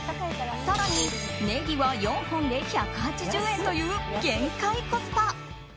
更にネギは４本で１８０円という限界コスパ。